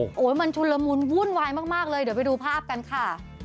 โอ้โหมันชุนละมุนวุ่นวายมากเลยเดี๋ยวไปดูภาพกันค่ะ